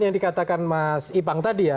yang dikatakan mas ipang tadi ya